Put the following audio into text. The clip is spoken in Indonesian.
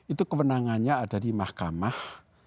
itu kewenangannya ada di mahkamah